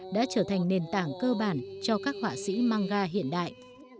đã trở thành nền tảng cơ bản cho các họa sĩ manga hiện đại